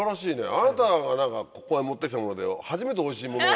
あなたがここへ持って来たもので初めておいしいものを。